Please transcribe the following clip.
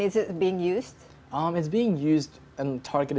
ini digunakan untuk pengguna yang tertarget